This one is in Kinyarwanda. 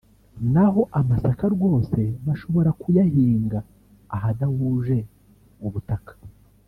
naho amasaka rwose bashobora kuyahinga ahadahuje ubutaka